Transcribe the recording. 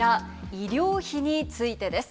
医療費についてです。